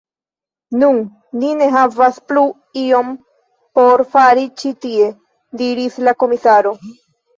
Nun ni ne havas plu ion por fari ĉi tie, diris la komisaro.